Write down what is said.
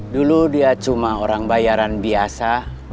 dulu dia cuma orang bayaran biasa